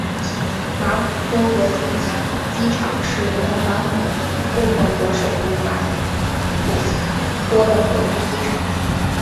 马普托国际机场是莫桑比克共和国首都马普托的国际机场。